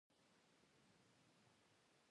ده باڼه سره ور وستله.